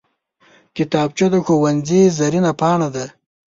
کتابچه د ښوونځي زرینه پاڼه ده